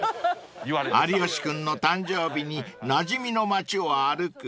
［有吉君の誕生日になじみの町を歩く］